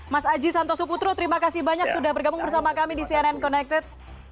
mas aji santoso putro terima kasih banyak sudah bergabung bersama kami di cnn connected